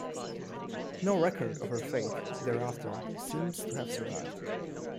No record of her fate thereafter seems to have survived.